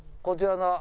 こちら。